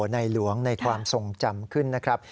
ในหลวงในความทรงจำขึ้นนะครับ